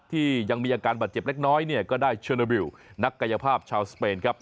ที่ยังมีอาการบัดเจ็บเล็กน้อยก็ได้เชินอบิลล์นักกายภาพชาวสเปนครับ